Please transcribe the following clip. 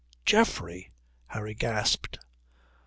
"Geoffrey!" Harry gasped.